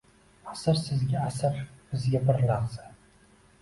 Asr sizga asr, bizga bir lahza